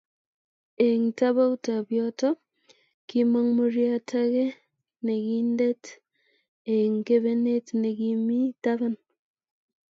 Eng tabaut ab yoto kimong muriat ake nekindet eng kebenet ne kimi taban